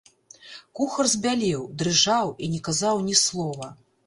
Кухар збялеў, дрыжаў і не казаў ні слова.